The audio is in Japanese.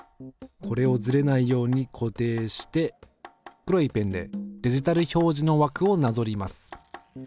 これをずれないように固定して黒いペンでデジタル表示の枠をなぞります。